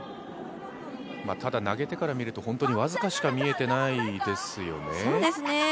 ただ、投げ手から見ると本当に僅かしか見えてないですよね。